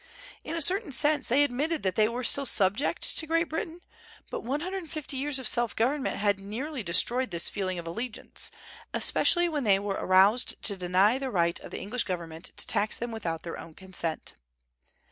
In a certain sense they admitted that they were still subject to Great Britain, but one hundred and fifty years of self government had nearly destroyed this feeling of allegiance, especially when they were aroused to deny the right of the English government to tax them without their own consent.